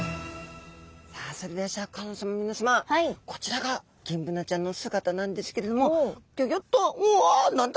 さあそれではシャーク香音さま皆さまこちらがギンブナちゃんの姿なんですけれどもギョギョッとうわ何だ？